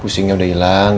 pusingnya udah ilang